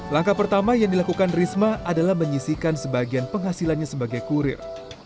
langkah pertama yang dilakukan risma adalah menyisikan sebagian penghasilannya sebagai kurir